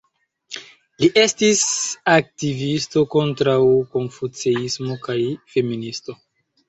Li estis aktivisto kontraŭ konfuceismo kaj feministo.